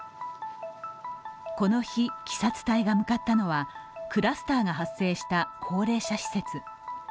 この日、ＫＩＳＡ２隊が向かったのはクラスターが発生した高齢者施設。